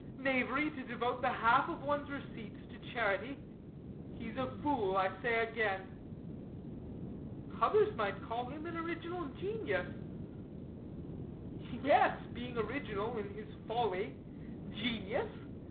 Knavery to devote the half of one's receipts to charity? He's a fool I say again." "Others might call him an original genius." "Yes, being original in his folly. Genius?